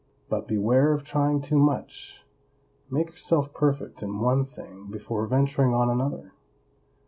But beware of trying too much; make yourself perfect in one thing before venturing on another.